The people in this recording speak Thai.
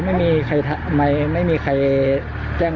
เบิร์ตลมเสียโอ้โห